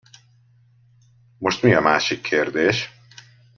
Most mi a másik kérdés?